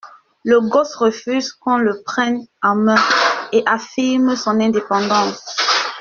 Le gosse refuse qu’on le prenne en main et affirme son indépendance.